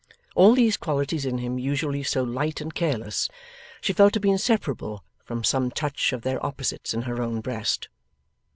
All these qualities, in him usually so light and careless, she felt to be inseparable from some touch of their opposites in her own breast.